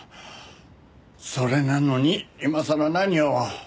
それなのに今さら何を？